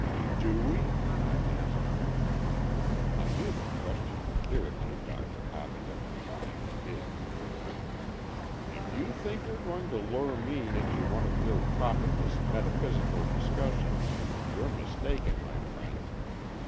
"Do we?" I asked. I knew the question would irritate Dr. Habaden, and it did. "If you think you're going to lure me into 14 AN EXCHANGE OF SOULS one of your profitless metaphysical discus sions, you're mistaken, my friend.